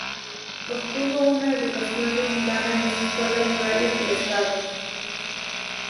Obtuvo una educación limitada en las escuelas rurales del estado.